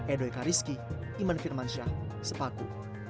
edo eka rizky iman firmansyah sepaku